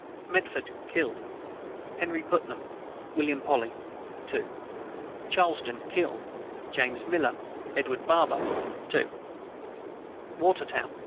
MEDFORD. Killed: Henry Putnam, William Polly, 2. CHARLESTOWN. Killed: James Miller, Edward Barber, 2. WATERTOWN.